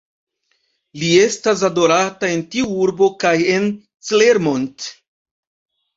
Li estas adorata en tiu urbo kaj en Clermont.